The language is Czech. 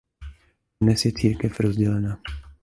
Dnes je církev rozdělena.